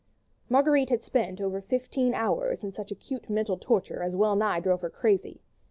Marguerite had spent over fifteen hours in such acute mental torture as well nigh drove her crazy.